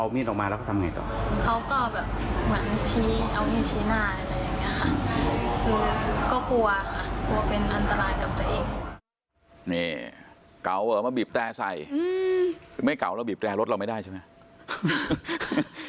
นี่เก๋าเหรอมาบีบแต่ใส่คือไม่เก๋าเราบีบแตรรถเราไม่ได้ใช่ไหม